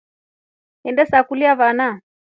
Enesakulya vana.